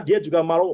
dia juga mau